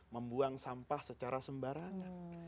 membuang sampah secara sembarangan